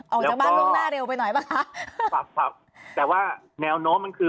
ออกจากบ้านล่วงหน้าเร็วไปหน่อยป่ะคะครับครับแต่ว่าแนวโน้มมันคือ